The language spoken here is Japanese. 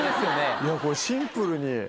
いやこれシンプルに。